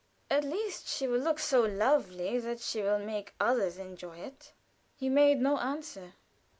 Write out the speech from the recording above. "At least she will look so lovely that she will make others enjoy it." He made no answer.